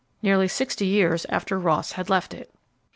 nearly sixty years after Ross had left it.